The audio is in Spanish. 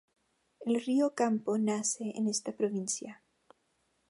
El río Campo nace en esta provincia.